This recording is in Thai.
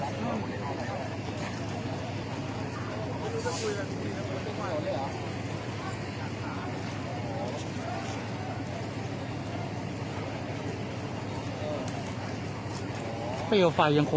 มันก็ไม่ต่างจากที่นี่นะครับ